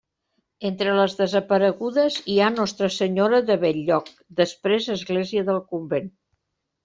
Entre les desaparegudes hi ha Nostra Senyora de Bell-lloc, després Església del Convent.